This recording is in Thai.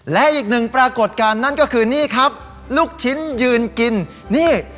และอีกหนึ่งปรากฏการณ์นั่นก็คือนี่ครับลูกชิ้นยืนกินนี่